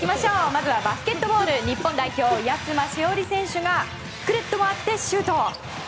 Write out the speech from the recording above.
まずはバスケットボール日本代表、安間志織選手がクルッと回ってシュート。